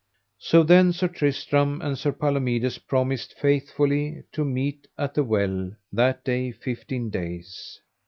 So then Sir Tristram and Sir Palomides promised faith fully to meet at the well that day fifteen days.